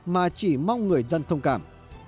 mà chỉ mong người dân thông cảm